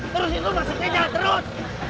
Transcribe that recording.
terus itu masih jalan terus